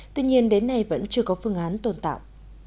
tuy nhiên đến nay vẫn chưa có phương án tồn tạo